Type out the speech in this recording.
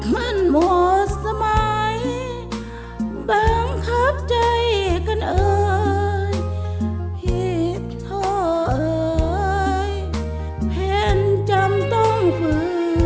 มันหมดสมัยบังคับใจกันเอ่ยผิดท่อเอ่ยแผนจำต้องเผื่อ